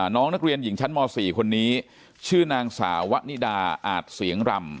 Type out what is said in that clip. น้องนักเรียนหญิงชั้นม๔คนนี้ชื่อนางสาววะนิดาอาจเสียงรำ